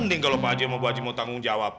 mending kalo pak haji sama bu haji mau tanggung jawab